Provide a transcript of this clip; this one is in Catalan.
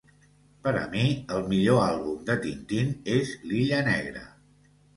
Per a mi, el millor àlbum de Tintín és l'illa negra